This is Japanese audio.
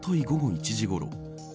午後１時ごろ